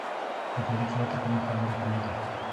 د تولید سرعت د کمښت له امله کمیږي.